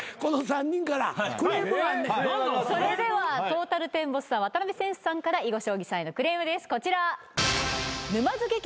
それではトータルテンボスさん渡邊センスさんから囲碁将棋さんへのクレームですこちら。